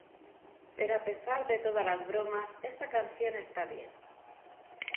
Pero a pesar de todas las bromas, esta canción está bien.